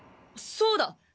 そうだ！